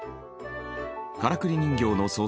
からくり人形の操作